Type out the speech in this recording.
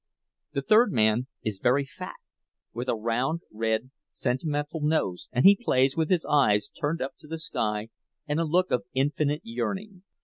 The third man is very fat, with a round, red, sentimental nose, and he plays with his eyes turned up to the sky and a look of infinite yearning.